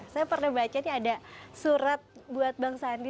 saya pernah baca nih ada surat buat bang sandi